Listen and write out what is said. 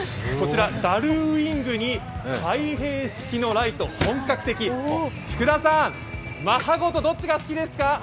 こちらガルウィングに開閉式のライト、本格的、福田さん、マッハ号とどっちが好きですか？